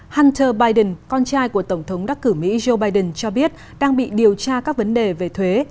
hunter biden con trai của tổng thống đắc cử mỹ joe biden cho biết đang bị điều tra các vấn đề về thuế